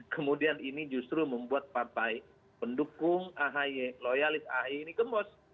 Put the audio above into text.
kemudian ini justru membuat partai pendukung ahi loyalis ahi ini gemos